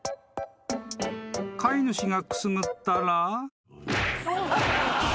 ［飼い主がくすぐったら］